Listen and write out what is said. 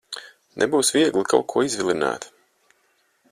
Nebūs viegli kaut ko izvilināt.